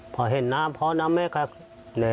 พอเห็นน้ำพ่อน้ำแม่ครับ